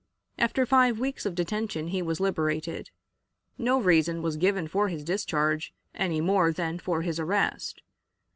After five weeks of detention he was liberated. No reason was given for his discharge any more than for his arrest.